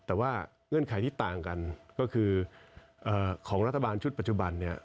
แต่ว่าเงื่อนไขที่ต่างกันก็คือของรัฐบาลชุดปัจจุบันเนี่ย